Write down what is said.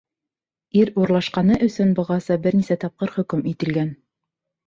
Ир урлашҡаны өсөн бығаса бер нисә тапҡыр хөкөм ителгән.